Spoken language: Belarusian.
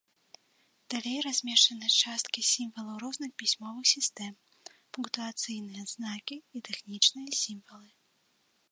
Далей размешчаны часткі сімвалаў розных пісьмовых сістэм, пунктуацыйныя знакі і тэхнічныя сімвалы.